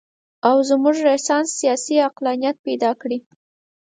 او زموږ رنسانس سیاسي عقلانیت پیدا کړي.